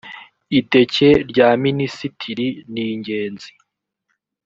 iteke rya mininisitiri ningenzi.